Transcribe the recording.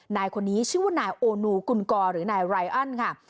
นายคนนี้ชื่อว่านายโอนูกุลกรหรือนายไรอันค่ะ